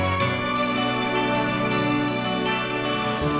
aku mau ke rumah